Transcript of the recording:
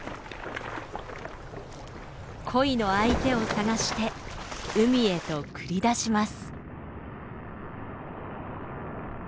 恋の相手を探して海へと繰り出します。